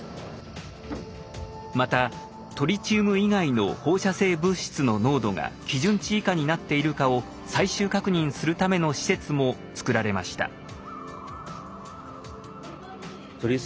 またトリチウム以外の放射性物質の濃度が基準値以下になっているかを最終確認するための施設も造られました。